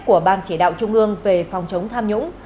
của ban chỉ đạo trung ương về phòng chống tham nhũng